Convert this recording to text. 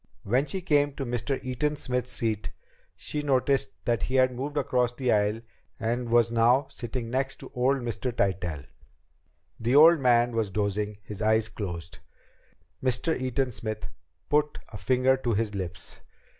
When she came to Mr. Eaton Smith's seat, she noticed that he had moved across the aisle and was now sitting next to old Mr. Tytell. The old man was dozing, his eyes closed. Mr. Eaton Smith put a finger to his lips.